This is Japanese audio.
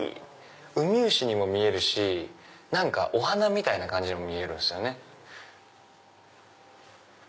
ウミウシにも見えるしお花みたいな感じにも見えるんですよね。